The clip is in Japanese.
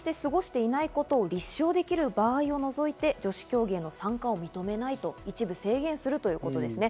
思春期を男性として過ごしていないことを立証できる場合を除いて、女子競技への参加を認めないと一部制限するということですね。